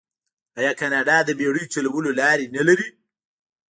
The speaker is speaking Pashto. آیا کاناډا د بیړیو چلولو لارې نلري؟